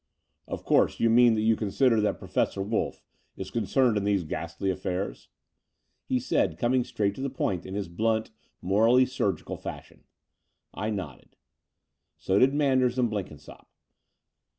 ''Of course, you mean that you consider that Professor Wolff is concerned in these ghastly affairs?" he said, coming straight to the point in his blunt, morally surgical fashion. I nodded. So did Manders and Blenkinsopp.